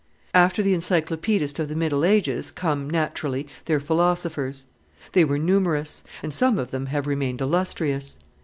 After the encyclopaedist of the middle ages come, naturally, their philosophers. They were numerous; and some of them have remained illustrious.